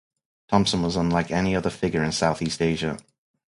Thompson was unlike any other figure in Southeast Asia.